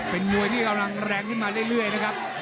เป็นมวยที่กำลังแรงขึ้นมาเรื่อยนะครับ